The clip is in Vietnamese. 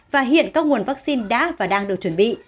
và hiện các nguồn vaccine đã và đang được chuẩn bị